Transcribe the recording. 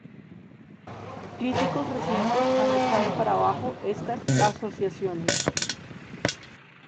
Críticos recientes han echado para abajo estas asociaciones.